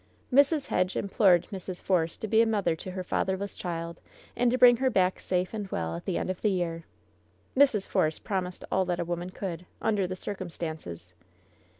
Mrs. Hedge implored Mrs. Force to be a mother to her fatherless child, and to bring her back safe and well at the end of the year. Mrs. Force promised all that a woman could, under the circumstances.